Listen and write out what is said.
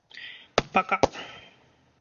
八嘎！